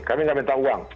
kami gak minta uang